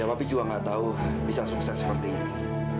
ya papi juga enggak tahu bisa sukses seperti ini